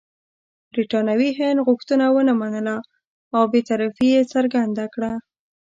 برټانوي هند غوښتنه ونه منله او بې طرفي یې څرګنده کړه.